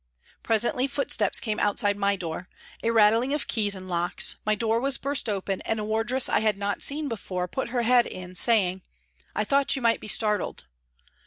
Presently foot steps came outside my door, a rattling of keys and locks, my door was burst open and a wardress I had not seen before put her head in, saying, " I thought you might be startled."